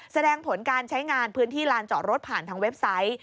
แสดงผลการใช้งานพื้นที่ลานจอดรถผ่านทางเว็บไซต์